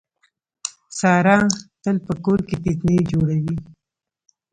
ساره تل په کور کې فتنې جوړوي.